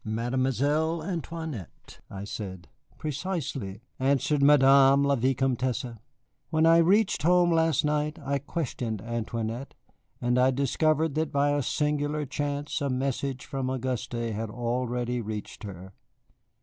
"Mademoiselle Antoinette!" I said. "Precisely," answered Madame la Vicomtesse. "When I reached home last night I questioned Antoinette, and I discovered that by a singular chance a message from Auguste had already reached her."